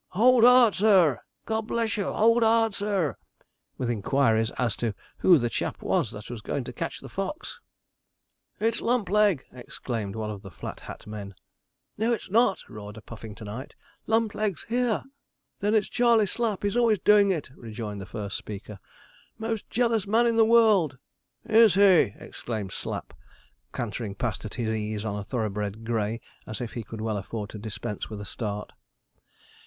'Hold hard, sir!' 'God bless you, hold hard, sir!' with inquiries as to 'who the chap was that was going to catch the fox.' 'It's Lumpleg!' exclaimed one of the Flat Hat men. 'No, it's not!' roared a Puffingtonite; 'Lumpleg's here.' 'Then it's Charley Slapp; he's always doing it,' rejoined the first speaker. 'Most jealous man in the world.' 'Is he!' exclaimed Slapp, cantering past at his ease on a thoroughbred grey, as if he could well afford to dispense with a start.